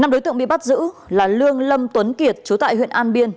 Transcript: năm đối tượng bị bắt giữ là lương lâm tuấn kiệt chú tại huyện an biên